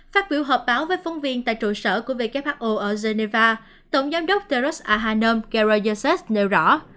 phát biểu họp báo với phóng viên tại trụ sở của who ở geneva tổng giám đốc teros ahanom kerryasese nêu rõ